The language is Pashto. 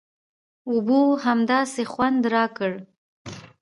اوبو همداسې خوند راکړ.